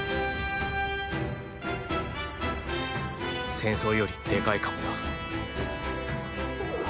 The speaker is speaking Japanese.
戦争よりデカいかもな。